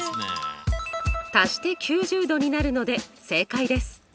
足して９０°になるので正解です。